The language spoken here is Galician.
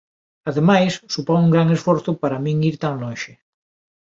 Ademais, supón un gran esforzo para min ir tan lonxe.